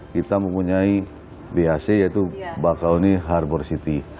kita mempunyai bhc yaitu bakaoni harbour city